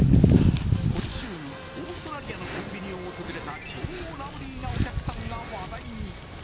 今週オーストラリアのコンビニを訪れた超ラブリーなお客さんが話題に。